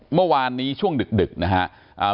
เมื่อวานนี้ช่วงดึกนะครับ